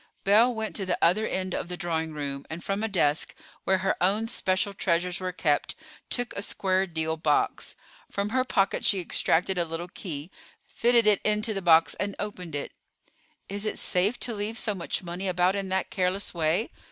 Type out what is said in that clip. Belle went to the other end of the drawing room, and from a desk, where her own special treasures were kept, took a square deal box. From her pocket she extracted a little key, fitted it into the box, and opened it. "Is it safe to leave so much money about in that careless way?"